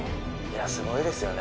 すごいですよね